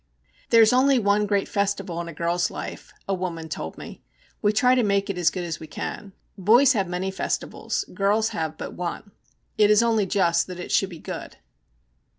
'There is only one great festival in a girl's life,' a woman told me. 'We try to make it as good as we can. Boys have many festivals, girls have but one. It is only just that it should be good.'